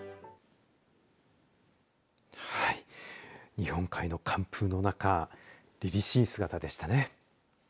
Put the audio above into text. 日本海の寒風の中りりしい姿でしたね。